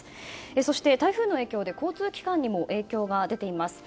そして、台風の影響で交通機関にも影響が出ています。